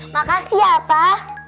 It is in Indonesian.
makasih ya pak